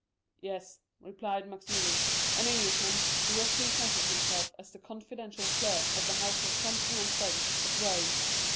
"Yes," replied Maximilian, "an Englishman, who represented himself as the confidential clerk of the house of Thomson & French, at Rome.